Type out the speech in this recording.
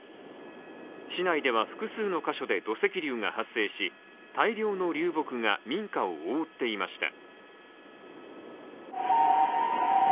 市内では複数の箇所で土石流が発生し大量の流木が民家を覆っていました。